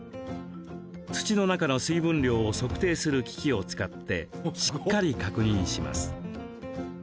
土の中の水分量を測定する機器を使ってしっかり確認します。